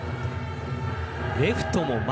レフトも前。